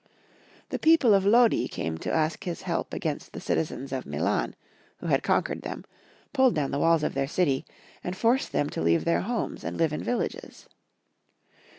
The people of Lodi came to ask his help against the citizens of Milan, who had conquered them, pulled down the walls of their city, and forced them to leave their homes and live in villages.